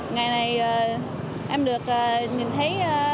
ngày này em được nhìn thấy